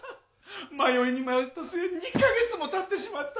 迷いに迷った末２カ月もたってしまった。